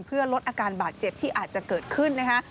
เพื่อลดอาการบาดเจ็บที่อาจจะเกิดขึ้นนะคะ